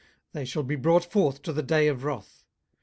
they shall be brought forth to the day of wrath.